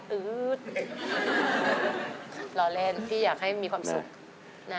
รอเล่นพี่อยากให้มีความสุขนะ